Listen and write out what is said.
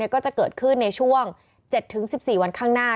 ก็จะเกิดขึ้นในช่วง๗๑๔วันข้างหน้า